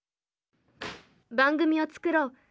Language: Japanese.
番組を作ろう！